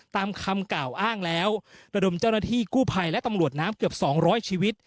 ตามคำกล่าวอ้างแล้วระดมเจ้าหน้าที่กู้ภัยและตำรวจน้ำเกือบสองร้อยชีวิต